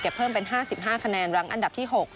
เก็บเพิ่มเป็น๕๕คะแนนหลังอันดับที่๖